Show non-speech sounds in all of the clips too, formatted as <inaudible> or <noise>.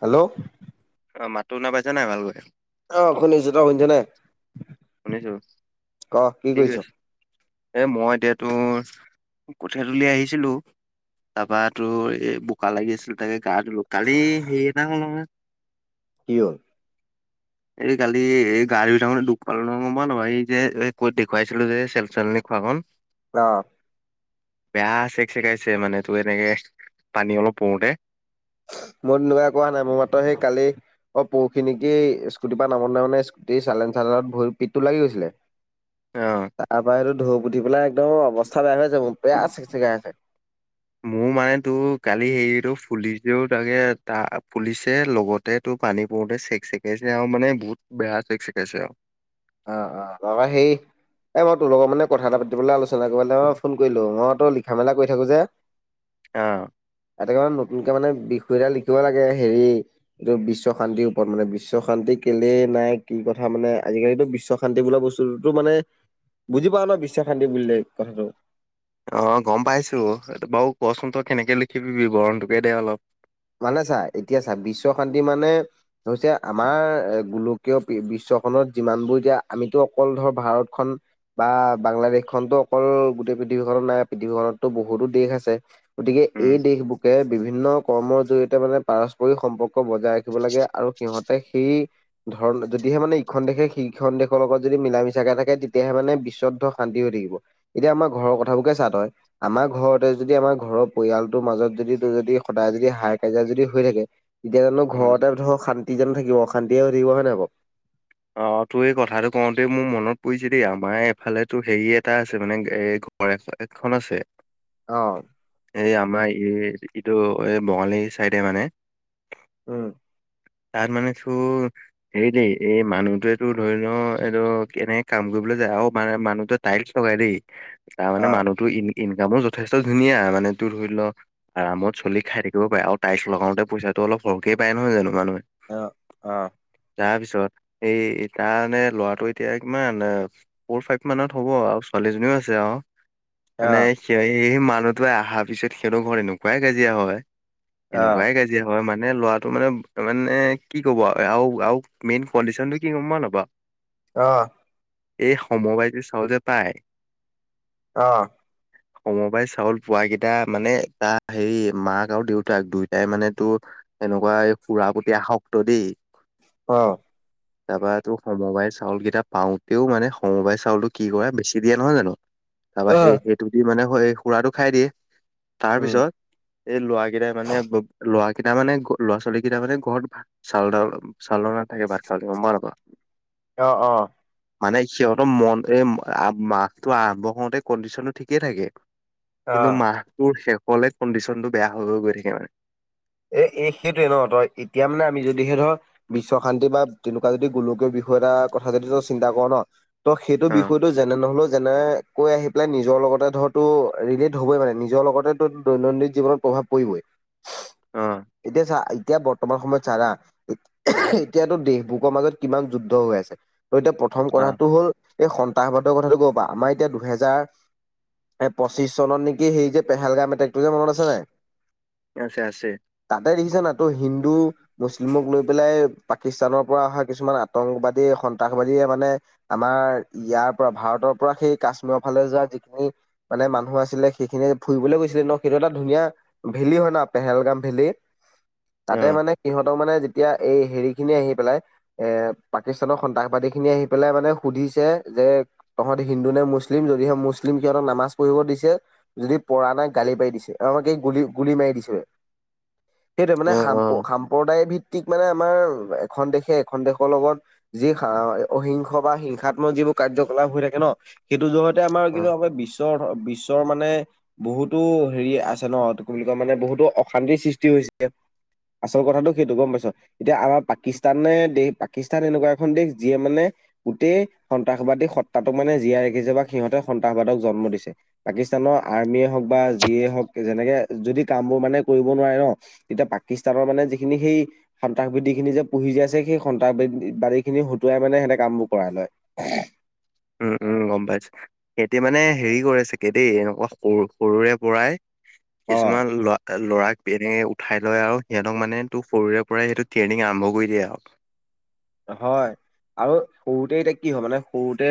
Hello. অ' মাতটো শুনা পাইছা নাই ভালকৈ? অ শুনিছোঁ। তই শুনিছ নে? শুনিছো, ক কি কৰি কৰিছ আছ? এ, মই এতিয়া তোৰ কঠীয়াতলি আহিছিলোঁ। তাৰাপা তোৰ এই বোকা লাগি আছিল তাকে গা ধুলো। কালি হেৰি এটা হ'ল নহয়। কি হ'ল? এই কালি এই গাড়ী ধুই থাকোঁতে দুখ পালোঁ নহয়, গম পাওঁনে বাৰু, এই ক'ত দেখুৱাইছিলোঁ যে চেল চেলন খোৱাখনন অ'। বেয়া চেক চেকাইছে মানে তই এনেকে পানী অলপ পৰোতে। <unintelligible> মইতো কোৱা নাই মোৰ মাত্ৰ সেই কালি অ' পৰখি নিকি স্কুটিৰ পৰা নামন মানে স্কুটি চালেঞ্চ তাৰ লগত ভৰি পিতটো লাগি গৈছিলে, অ তাৰ পৰা হেইটো ঢৌ পুতি পেলাই একদম অৱস্থা বেয়া হৈ যাব। বেয়া চেক চেকাই আছে। মোৰ মানে তোৰ কালি হেৰিটো ফুলিছেও তাকে ত' ফুলিছে লগতে তোৰ পানী পৰ চেক চিকাইছে আৰু মানে বহুত বেয়া চেক চিকাইছে আৰু। অ', অ' তাবা সেই এ, মই তোৰ লগৰ মানে কথা এটা পাতিবলৈ আলোচনা কৰিব মই ফোন কৰিলোঁ, অ' তই লিখা মেলা কৈ থাকোঁ যে। অ'। এটাকে নতুনকে মানে বিষয় এটা লিখিব লাগে হেৰি এইটো বিশ্ব শান্তিৰ ওপৰত মানে বিশ্ব শান্তিক কেলেই নাই কি কথা মানে আজিকালিতো বিশ্ব শান্তি বোলা বস্তুো মানে, বুজি পাওঁ ন' বিশ্ব শান্তি বুলিলে কথাটো? অ' গম পাইছোঁ, এই বাৰু কচোন তই কেনেকে লিখিবি বিবৰণটোকে দে অলপ। মানে চা এতিয়া চা বিশ্ব শান্তি মানে হৈছে আমাৰ এ, গোলকীয় বিশ্ব ত' যিমানবোৰ এতিয়া আমিতো অকল ধৰ ভাৰতখন বা বাংলাদেশ খনতো অকল গ পৃথিৱীখনত নাই পৃথিৱীখননতো বহুতো দেশ আছে গতিকে উম। এই দেশ বুকে বিভিন্ন কৰ্মৰ জৰিয়তে মানে পাৰস্পৰিক সম্পৰ্ক বজাই ৰাখিব লাগে আৰু সিহঁতে সেই ধৰণ যদি তেতিয়াে মানে ইখন দেশে সিখন দেশৰ লগত যদি মিলা মিছাকে থাকে তেতিয়াহে মানে বিশ্বদ্ধ শান্তি হৈ থাকিব। এতিয়া একেঘৰৰ কথাটোকে চা তই, আমাৰ ঘৰতে যদি আমাৰ ঘৰৰ পৰিয়ালটোৰ মাজত যদি তই যদি সদায় যদি হাই কাজিয়া যদি হৈ থাকে তেতিয়া জানো উম। ঘৰতে ধৰক শান তিজন থাকিব, শান্তিয়ে হৈ থাকিব হয়ে নে আকৌ? অ' তোৰ এই কথাটো কওঁতে মোৰ মনত পৰিছে দেই আমাৰ এফালে তো হেৰি এটা আছে মানে এ ঘ একখন আছে অ এই আমাৰ এই এইটো এই বঙালী চাইডে মানে উম তাৰ মানে চুৰ হেৰিলি এই মানুহটোৱেতো ধৰি ল এইদ কেনেকে কাম কৰিবলৈ যায় অ মান মানুহটে টাইলছ লগাই দেই তাৰ অ মানে মানুহটো ইনকামো যথেষ্ট ধুনীয়া মানে তোৰ ধৰি লও আৰামত চলি খাই থাকিব পাৰে আৰু টাইলচ লগাওতে পইচা অলপ সৰহক পাই নহয় জানো মানহ আহ আহ এই তাৰানে ল'ৰাটো এতিয়া ইমান ফ'ৰ ফাইভ মানত হ'ব আৰু ছোৱালীজনীও আছে আৰু অ মানে সেই সেই মানুহতোৱে অহাৰ পিছত সিহঁতৰ ঘৰত এনেকুৱাই কাজিয়া হয় এনেকুৱাই কাজিয়া হয় মানে এ ল'ৰাটো মানে মানে কি ক'ব আৰু আৰু মেইন কণ্ডিশনটো কি কম নাপা আহ এই সমবাইজি চাওঁ যে পায় আহ সমবাই চাউল পোৱাকেইটা মানে তাৰ হেৰি মাক আৰু দেউতাক দুয়টাই মানে তো এনেকুৱা এই সুৰাপতিয়া শক্ত দেই অ তাৰপৰা তোৰ সমবায় চাউল কেইটা পাওঁতেও মানে সমবায় চাউলটো কি কৰা বেছি দিয়ে নহয় জানো তাৰপা অ সেই সেইটো দি মানে খুৰাটো খাই দিয়ে তাৰ উম পিছত এই লৰা কেইটাই মানে ল কেইটা মানে লৰা ছোৱালী কেইটা মানে ঘৰতাত চালাল চালা থাকে ভাত খালম নাপা অ অ মানে সিহঁতৰ মন মাটো আৰম্ভ কৰতে কণ্ডিচনটো ঠিকেই থাকে অ কিন্তু মাহটোৰ শেষ হলে কণ্ডিশনটো বেয়া হৈ গ গৈ থাকে মানে এ এই সেইটোোৱে নহ তই এতিয়া মানে আমি যদিহে ধৰ বিশ্ব শান্তি বা তেনেকুৱা যদি গোলকীয় বিষয় এটা কথা যদি তই চিন্তা কৰ ন ত সেইটো বিষয়টো যেনে নহলেও যেনে কৈ আহি পেলাই নিজৰ লগতে ধৰ তো ৰিলেট হ'বই মানে নিজৰ লগতে তো দৈনন্দিন জীৱনত প্ৰভাৱ পৰিবই অ অ এতিয়া চা এতিয়া বৰ্তমান সময়ত চাৰা এতিয়াতো দেশবুকৰ মাজত কিমান যুদ্ধ হৈ আছে ত এতিয়া প্ৰথম অ কথাটো হ'ল এই সন্ত্ৰাসবাদৰ কথাটো ক পা আমাৰ এতিয়া দুহেজাৰ এ পঁচিশ চনত নেকি সেই যে পেহেলগাম এটা আছে আছে তাতে দেখিছা ন তো হিন্দু মুছলিমক লৈ পেলাই পাকিস্তানৰ পৰা অহা কিছুমান আতংকবাদী সন্ত্ৰাসবাদীয়ে মানে আমাৰ ইয়াৰ পৰা ভাৰতৰ পৰা সেই কাশ্মীৰৰ ফালে যোৱা যিখিনি মানে মানুহ আছিলে সেইখিনিয়ে ফুৰিবলৈ গৈছিলে ন সেইটো এটা ধুনীয়া ভেলী হয় ন পেহেলগাম ভেলি অ তাতে মানে সিহঁতক মানে এতিয়া এই হেৰি খিনি আহি পেলাই এ পাকিস্তানৰ সন্ত্ৰাসবাদী খিনি আহি পেলাই মানে সুধিছে যে তহঁত হিন্দু নে মুছলিম যদিহে মুছলিম সিহঁতৰ নামাজ পঢ়িব দিছে যদি পৰা নাই গালি দিছে আম এই গ গুলি মাৰি দিছে সেইটোোৱে মানে অ অ সমাম্প্ৰদায় ভিত মানে আমাৰ এখন দেশে এখন দেশৰ লগত যি অহিংস বা হিংসাম্মকিব কাৰ্যকলাপ হৈ থাকে ন সেইটো জগতে আমাৰ অ কিন্তু আ বিশ্ব বিশ বিশ্বৰ মানে বহুতো হেৰি আছে ন কি বুলি কয় মানে বহুতো অশান্তি সৃষ্টি হৈছে আচল কথাটো সেইটো গম পাইছ এতিয়া আমাৰ পাকিস্তানে দেশ পাকিস্তান এনেকুৱা এখন দেশ যিয়ে মানে গোটেই সন্ত্ৰাসবাদী সতাোক মানে জীয়াই ৰাখিছে বা সিহঁতে সন্ত্ৰাসবাদক জন্ম দিছে পাকিস্তান জান আৰ্মিয় হওক বা যিয়ে হওক যেনেকে যদি কাম বোৰ মানে কৰিব নোৱাৰে ন তেতিয়া পাকিস্তানৰ মানে যিখিনি সেই সন্ত্ৰাসবাদী খিনি যে পুহি যাই আছে সেই সন্ত্ৰাসবাদবাদী খিনি হতুৱাই মানে সিহনেতে কাম বোৰ কৰাই লয়। উম উম গম পাইছো এতিয়া মানে হেৰি কৰে চাগে দেই এনেকুৱা সৰু সৰুৰে পৰাই অ'। কিছুমান ল-লৰাক <unintelligible> ঠাই লয় আৰু সিহঁতক মানে তোৰ সৰুৰে পৰাই সেইটো ট্ৰেইনিং আৰম্ভ কৰি দিয়ে আৰু। হয়। আৰু সৰুতে এতিয়া কি হয়, মানে সৰুতে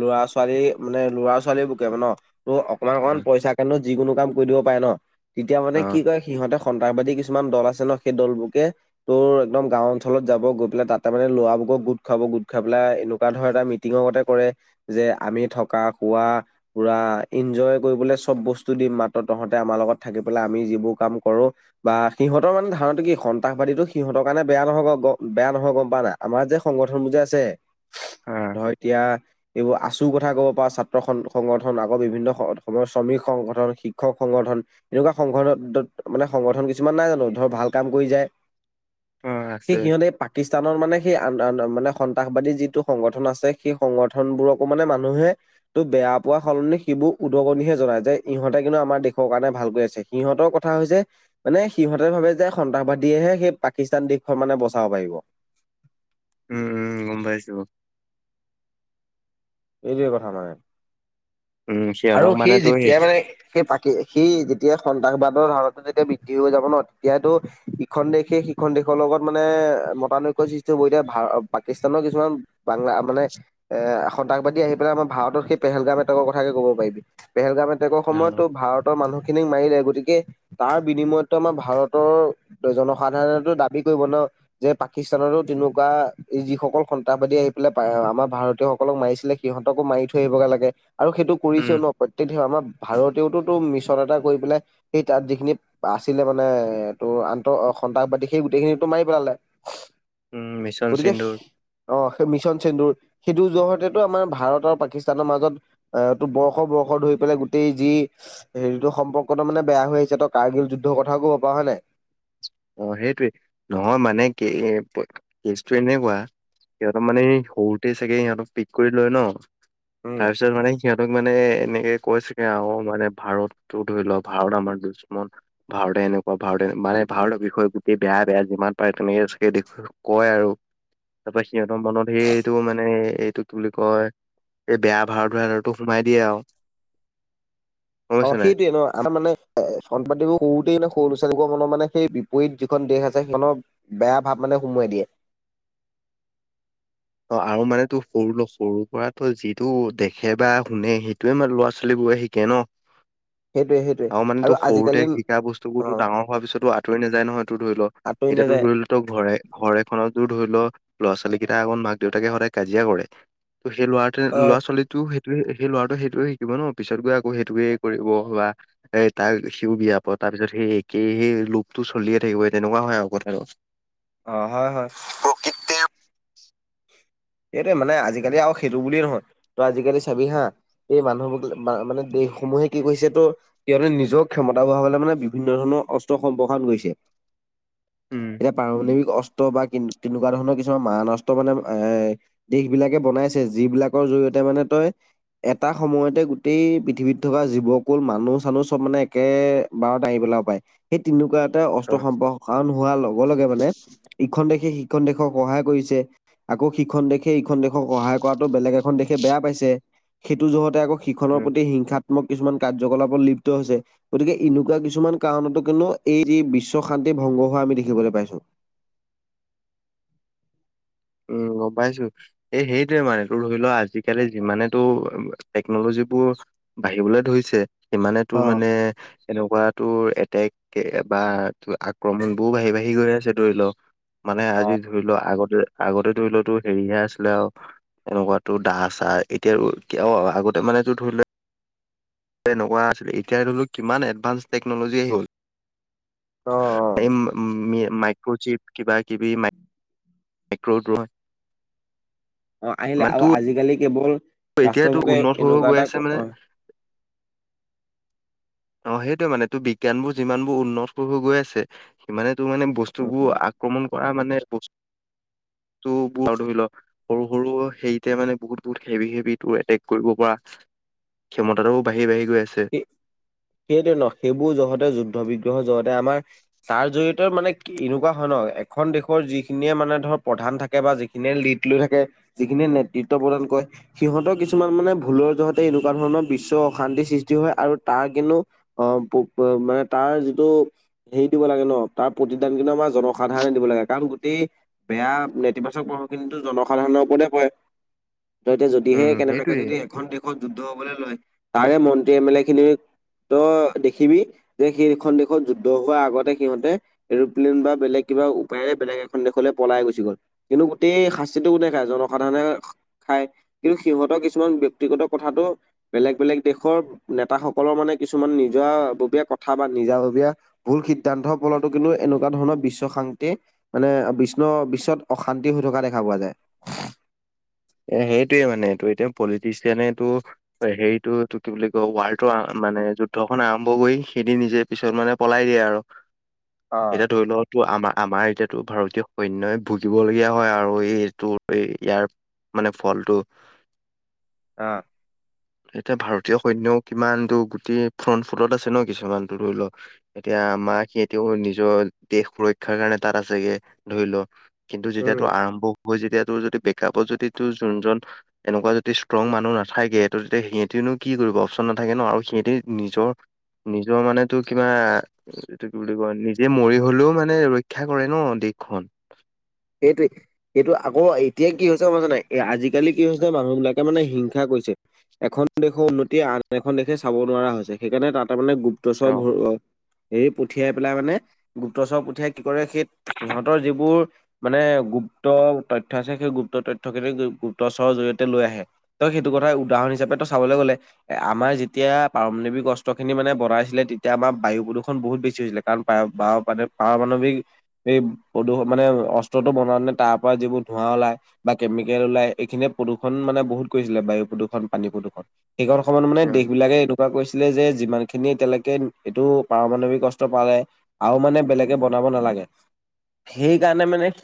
ল'ৰা-ছোৱালী মানে ল'ৰা-ছোৱালী বোৰকে ন, ত অকমান অকমান পইচা কাৰণেও যিকোনো কাম কৰি দিব পাৰে ন, তেতিয়া মানে অ কি কয় সিহঁতে সন্ত্ৰাসবাদী কিছুমান দল আছে ন সেই দলবোৰকে তোৰ একদম গাঁও অঞ্চলত যাব গৈ পেলাই তাত তাৰ মানে ল'ৰাবোৰক গোট খুৱাব, গোট খাই পেলাই এনেকুৱা ধৰ এটা মিটিংৰগতে কৰে যে আমি থকা পুৰা ইনজয় কৰিব চব বস্তু দিম মাত্ৰ তহতে আমাৰ লগত থাকি পেলাই আমি যিবোৰ ক কৰো বা সিহঁতৰ মানে ধাৰণটো কি সন্ত্ৰাসবাদীটো সিহঁতৰ কাৰণে বেয়া নহ বেয়া নহয়। আমাৰ যে সংগঠন বো যে আছে, অ ধৰ এতিয়া এইবোৰ আচুৰ কথা ক'ব পাৰ, ছাত্ৰ সংগঠন আকৌ বিভিন্ন শ্ৰমিক সংগঠন, শিক্ষক সংগঠন, এনেকুৱা সংগঠ দ মানে সংগঠন কিছুমান নাই জানো ধৰ ভাল কাম কৰি যায়। অ সেই আছে সিহঁতে পাকিস্তান তাহুনৰ মানে সেই মানে সন্ত্ৰাসবাদী যিটো সংগঠন আছে সেই সংগঠনবোৰকো মানে মানুহে তো বেয়া পোৱা সলনি সিবোৰ উদগনিহে জনায়, যে ইহঁতে কিন্তু আমাৰ দেশৰ কাৰণে ভালকৈ আছে। সিহঁতক কথা হৈছে, মানে সিহঁতে ভাবে যে সন্ত্ৰাসবাদীয়েহে সেই পাকিস্তান দেশখন মানে বচাব পাৰিব। উম উম গম পাইছো। এইটোৱে কথা মানে। উম আৰু সিহঁতক সেই মানে তোৰ যেতিয়াই মানে, সেই পাকী সেই যেতিয়াই সন্ত্ৰাসবাদী ধাৰনাটো যেতিয়া বৃদ্ধি হৈ যাব ন, তেতিয়াটো ইখন দেশে সিখন দেশৰ লগত মানে মতানুক <unintelligible> এতিয়া পাকিস্তানৰ কিছুমান বাংলা মানে এ সন্তাসবাদী আহিলাই আমাৰ ভাৰত সেই পেলগাম এটকৰ কথা কে ক'ব পাৰি। পেলগাম এটেকৰ অ সময়ত ভাৰতৰ মানুহ খিনিক মাৰিলে, গতিকে তাৰ বিনিময়তটো আমাৰ ভাৰতৰ জনসাধাৰণো দাবী কৰিব ন যে পাকিস্তানতো তেনেকুৱা যিসকল সন্তাসবাদী আহি পেলাই আমাৰ ভাৰতীয় সকলক মাৰিছিলে সিহঁতকো মাৰি থৈ আহিব গে লাগে আৰু সেইটো উম কৰিছেও ন প্ৰত্যেক আমাৰ ভাৰতেওতো তো মিছন এটা কৰি পেলাই সেই তাত যিখিনি আছিলে মানে তোৰ আন্তঃ সন্ত্ৰাসবাদী, সেই গোটেইখিনিতো মাৰি পেলালে। উম মিছন গতিকে সিন্দুৰ অ সেই মিছন চেন্দুৰ, সেইটো জ টো আমাৰ ভাৰত আৰু পাকিস্তানৰ মাজত আহ টো বৰ্ষ বৰ্ষ ধৰি পেলাই গোটেই যি হেৰি য সম্পৰ্কতটো মানে বেয়া হৈ আহিছে ত কাৰ্গিল যুদ্ধৰ কথাও ক'ব পাৰো। হয়নে নাই? অ সেইটোৱে, নহয় মানে কে-কেজ এনেকুৱা সিহঁতক মানে এই সৰুতে চাগে সিহঁতক পিক কৰি লয় ন, উম তাৰ পিছত মানে সিহঁতক মানে এনেকে কৈছোগে আৰু মানে ভাৰতটো ধৰি লওক ভাৰত আমাৰ দুস্মণ, ভাৰতে তেনেকুৱা ভাৰতে, মানে ভাৰতৰ বিষয় গোটেই বেয়া বেয়া যিমান পাৰে তেনেকে চাগে কয় আৰু। তাৰপাছত সিহঁতৰ মনত সেইটো মানে এইটোক বুলি কয় সেই বেয়া <unintelligible> সোমাই দিয়ে আৰু। গম অ পাইছ নাই সেইটোয়ে ন আমাৰ মানে চনপাতিবোৰ সৰুতেই নে সৰু ল তেওঁলোকৰ মনত মানে সেই বিপৰীত যিখন দেশ আছে সেইখনৰ বেয়া ভাৱ মানে সোমোৱাই দিয়ে। <inaudible> অ আৰু মানে তো সৰু সৰু পৰা তো যিটো দেখে বা শুনে সেইটোয়ে মানে ল'ৰা-ছোৱালীবোৰ শিকে ন সেইটোৱে। সেইটোৱে আৰু মানে তো সৰুতে আজিকালি শিকা বস্তু বোৰতো অ ডাঙৰ হোৱাৰ পিছতো আতৰি নাযায় নহয়, তো ধৰি ল, আঁতৰি এতিয়াতো নাযায়। ধৰি ল ঘৰে ঘৰ এখনৰ ধৰি ল'ৰা-ছোৱালী কেইটা আগত মাক দেউতাকে সদায় কাজিয়া কৰে ত সেই ল'ৰা অ'। ল'ৰা-ছোৱালীটোই ত সেই ল'ৰাটো সেইটে শিকিব ন, পিছত গৈ আকৌ সেইটোৱে কৰিব বা এ তাক সিও বিয়া প তাৰ পিছত সেই একেই সেই লোপটো চলিয়ে থাকিব তেনেকুৱা হয় আৰু কথাটো। অ হয় হয় প্ৰকৃৃতৰ <unintelligible> সেইটোৱে মানে আজিকালি আৰু সেইটো বুলিয়ে নহয় ত আজিকালি চাবি হা এই মানুহবোৰাক মানে এই সমূহে কি কৰিৈছে তো তেওঁহ নিজৰ ক্ষমতা বঢ়াবলে মানে বিভিন্ন ধৰণৰ অস্ত্ৰ সম্প্ৰসাৰণ কৰিছে উম এতিয়া প্ৰাৰম্ণৱিক অস্ত্ৰ বা তেনেকুৱা ধৰণৰ কিছুমান মান অস্ত্ৰ মানে এ দেশ বিলাকে বনাইছে যিবিলাকৰ জৰিয়তে মানে তই এটা সময়তে গোটেই পৃথিৱীত থকা জীৱকুল মানুহ চানুহ চব মানে একে বাৰত দাঙি পেলাও পায় সেই তেনেকুৱা অস্ত্ৰ অ সম্প কাৰণ হোৱাৰ লগে লগে মানে ইখন দেশে শ দেশক সহায় কৰিছে আকৌ সিখন দেশে ইখন দেশক সহায় কৰাতো বেলেগ এখন দেশে বেয়া পাইছে সেইটো জহতে আকৌ সিখনৰ উম প্ৰতি হিংসা কিছুমান কাৰ্যকলাপত লিপ্ত হৈছে গতিকে এনেকুৱা কিছুমান কাৰণতো কিন্তু এই যি বিশ্ব শান্তি ভংগ হোৱা আমি দেখিবলৈ পাইছো উম গম পাইছো এই সেইটোোৱে মানে তোৰ ধৰি লোৱা আজিিকালি যিমানে তো টেকনলজি যোৰ বাঢ়িবলৈ ধৰিছে সিমানে তোৰ অ'। মানে এনেকুৱ তোৰ বা আক্ৰমণ বোৰ বাঢ়ি বাঢ়ি গৈ আছে ধৰি লওক মানে আজি অ', ধৰি লোৱা আগতে আগতে ধৰি লোৱাতো হেৰিহে আছিলে আৰু এনেকুৱাতো দাহ চাহ এতিয়া ক আগতে মানেটো ধৰি লোৱা <unintelligible> তেনেকুৱা আছিল এতিয়া ধৰিলও কিমান এডভা্স টেকন'লজি হ'ল অ', অ', মাইক্ৰ'চিপ কিবা কিবি মক্ৰ'ড <inaudible> অ আহিলে আৰু আজিকালি কেৱল ৰাষ্ট্ৰৰ এতিয়াতো পোকে উন্নত হৈ হৈ এনেকুৱা গৈ আছে এটা মানে অ সেইটোৱে মানে তোৰ বিজ্ঞান বোৰ যিমান বোৰ উন্নত কৰিব গৈ আছে সিমানে তোৰ মানে অ', বস্তুবোৰ আক্ৰমণ কৰা মানে বস্তু ত ধৰি ল সৰু সৰু হেৰিতে মানে বহুত বহুত খেভি খেবি তোৰ এটেক কৰিব পৰা ক্ষমতাটোও বাঢ়ি বাঢ়ি গৈ আছে এই সেইটোৱে ন সেইবোৰ যহতে যুদ্ধ বিগ্ৰহ যহতে আমাৰ তাৰ জৰিয়তে মানে এনেকুৱা হয় ন এখন দেশৰ যিখিনিয়ে মানে ধৰ প্ৰধান থাকে বা যিখিনিয়ে লিড লৈ থাকে যিখিনিয়ে নেতৃত্ব প্ৰদান কৰে সিহঁতৰ কিছুমান মানে ভুলৰ জগতে এনেকুৱা ধৰণৰ বিশ্ব অশান্তিৃষ্ট সৃষ্টি হয় আৰু তাৰ কিন্তু অ মানে তাৰ যিটো হেৰি দিব লাগে ন তাৰ প্ৰতিদান কিন্তু আমাৰ জন সাধাৰণে দিব লাগে কাৰণ গোটেই বেয়া নেতিবাচক পঢ়ুখিনিতো জনসাধাৰণৰ ওপৰতে পৰে <inaudible> ত এতিয়া যদিহে উম কেনেবাকে সেইটোয়ে যদি এখন দেশত যুদ্ধ হবলৈ লয় তাৰে মন্ত্ৰী এম এল এ খিনি ত দেখিবি যে সেইখন দেশত যুদ্ধ হোৱাৰ আগতে সিহঁতে এৰপ্লেইন বা বেলেগ কিবা উপায়েৰে বেলেগ এখন দেশলৈ পলাই গুচি গ'ল কিন্তু গোটেই শাস্তিটো কোনে খা জনসাধাৰণে খাই কিন্তু সিহঁতৰ কিছুমান ব্য়ক্তিগত কথাাতটো বেলেগ বেলেগ দেশৰ নেতাাসকলৰ মানে কিছুমান নিজাববীয়া কথা বা নিজাববীয়া ভুল সিদ্ধান্তৰ ফলতো কিন্তু এনেকুৱা ধৰণৰ বিশ্বাস শ মানে বিষ্ণু বিশ্বত অশান্তি হৈ থকা দেখা পোৱা যায় এ সেইটোয়ে মানে তটো এতিয়া পলিটিচিয়ানেটো হেৰিটো ত কি বুলি কয় ৱাৰ্টো মানে যুদ্ধখন আৰম্ভ কৰি সেইদি নিজে পিছত মানে পলাই দিয়ে আৰু অ', এতিয়া ধৰি লওতটো আমাৰ আমাৰ এতিয়াতো ভাৰতীয় সৈনয়ই ভুগিবলগীয়া হয় আৰু এইটো ইয়াৰ মানে ফলটো অ এতিয়া ভাৰতীয় সৈনয়ও কিমানতো গোটেই ফ্ৰন্ট ফুটত আছে ন কিছুমানতো ধৰি লওক এতিয়া মা সিহঁতেও নিজৰ দেশ সুৰক্ষাৰ কাৰণে তাত আছেগে ধৰি লও কিন্তু উম। যেতিয়াাতটো আৰম্ভ হয় যেতিয়া তোৰ যদি প্ৰেক্ষাপটত যদি তোৰ যোনজন এনেকুৱা যদি ষ্ট্ৰং মানুহ নাথাকে। ত তেতিয়া সিহঁতেনো কি কৰিব অপশচন নাথাকে ন আৰু সিহঁতে নিজৰ নিজৰ মানে তোৰ কিবা এইটো কি বুলি কয় নিজে মৰি হ'লেও মানে ৰক্ষা কৰে ন। খন। <inaudible> এইটো এইটো আকৌ এতিয়া কি হৈছে মই জানে আজিকালি কি হৈছে মানুহবিলাকে মানে হিংসা কৰিছে। এখন দেশৰ উন্নতি আন এখন দেশে চাব নোৱাৰা হৈছে। সেইকাৰণে তাত তাৰ মানে গুপ্তচৰ অ ভৰ সেই পঠিয়াই পেলাই মানে গুপ্তচৰ পঠিয়াই কি কৰে। সেই সিহঁতৰ যিবোৰ মানে গুপ্ত তথ্য আছে সেই গুপ্ত তথ্যখিনি গুপ্তচৰৰ জৰিয়তে লৈ আহে। ত' সেইটো কথা উদাহৰণ হিচাপেটো চাবলৈ গ'লে এ আমাৰ যেতিয়া পাৰমাণৱিক অস্ত্ৰখিনি মানে বঢ়াইছিলে তেতিয়া আমাৰ বায়ু প্ৰদূষণ বহুত বেছি হৈছিলে। কাৰণ পাৰ-পাৰ-পাৰমাণৱিক প্ৰদূষণ মানে পস্ৰতটো বনাওঁতে তাৰ পৰা যিবোৰ ধোঁৱা ওলাই বা কেমিকেল ওলাই এইখিনিয়ে প্ৰদূষণ মানে বহুত কৰিছিলে বায়ুত। প্ৰদূষণ পানী প্ৰদূৰণ সেইকণ সময়ত মানে উম দেশবিলাকে কৈছিলে যে যিমানখিনি এতিয়া লৈকে এইটো পাৰমাণৱিক অস্ত্ৰ পালে আৰু মানে বেলেগে বন নালাগে। সেইকাৰণে মানে